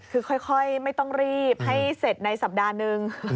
คือค่อยไม่ต้องรีบให้เสร็จในสัปดาห์นึง